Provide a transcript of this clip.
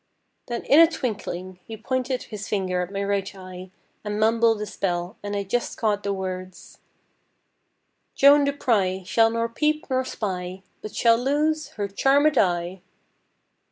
Then in a twinkling he pointed his finger at my right eye, and mumbled a spell, and I just caught the words: "_Joan the Pry Shall nor peep nor spy, But shall lose Her charmèd eye!